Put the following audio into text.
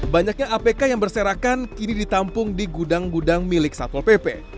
banyaknya apk yang berserakan kini ditampung di gudang gudang milik satpol pp